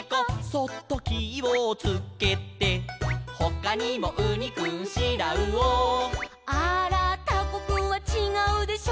「そっときをつけて」「ほかにもウニくんシラウオ」「あーらータコくんはちがうでしょ」